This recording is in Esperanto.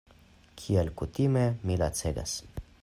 Kiel kutime, mi lacegas.